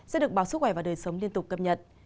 sẽ được báo sức khỏe và đời sống liên tục cập nhật